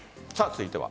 続いては。